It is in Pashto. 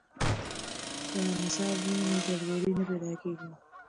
که نصاب وي نو ګډوډي نه پیدا کیږي.